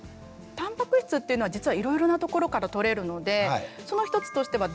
たんぱく質っていうのは実はいろいろなところからとれるのでその一つとしては大豆。